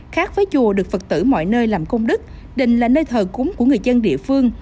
khác với chùa được phật tử mọi nơi làm công đức định là nơi thờ cúng của người dân địa phương